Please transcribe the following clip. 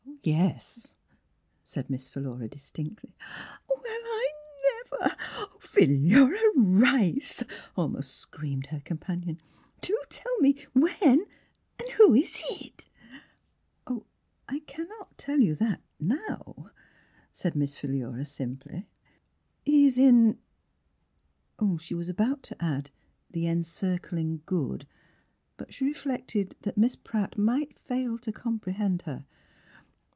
Yes," said Miss Philura distinctly. '' Well, I never — Philura Rice!" almost screamed her companion. '* Do tell me when; and who is it?" " I can not tell you that — now," said Miss Philura sim^ply. He is in " She was <£ 47 The Transfigitratio7t of about to add the encircling Good/' but she reflected that Miss Pratt might fail to com prehend her.